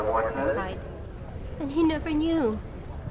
I cried. "And he never knew!"